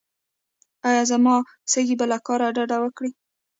ایا زما سږي به له کار ډډه وکړي؟